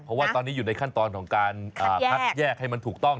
เพราะว่าตอนนี้อยู่ในขั้นตอนของการคัดแยกให้มันถูกต้อง